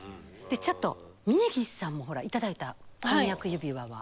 ちょっと峯岸さんもほら頂いた婚約指輪は。